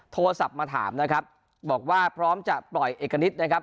โทรศัพท์มาถามนะครับบอกว่าพร้อมจะปล่อยเอกณิตนะครับ